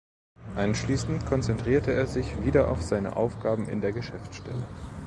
Anschließend konzentrierte er sich wieder auf seine Aufgaben in der Geschäftsstelle.